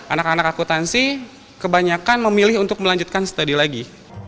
anak anak akutansi kebanyakan memilih untuk melanjutkan studi lagi